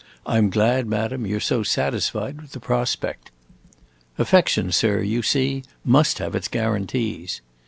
I 'm glad, madam, you 're so satisfied with the prospect. Affection, sir, you see, must have its guarantees!"